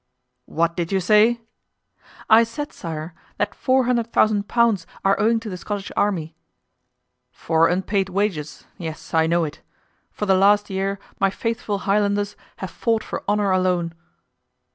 "What did you say?" "I said, sire, that four hundred thousand pounds are owing to the Scottish army." "For unpaid wages; yes, I know it. For the last year my faithful Highlanders have fought for honor alone."